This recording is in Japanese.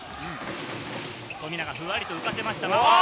富永、ふわりと浮かせました。